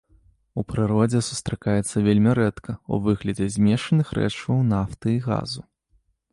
У прыродзе сустракаецца вельмі рэдка ў выглядзе змешаных рэчываў нафты і газу.